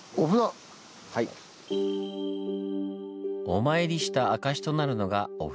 お参りした証しとなるのがお札。